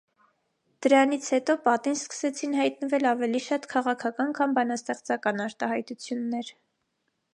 Դրանից հետո պատին սկսեցին հայտնվել ավելի շատ քաղաքական, քան բանաստեղծական արտահայտություններ։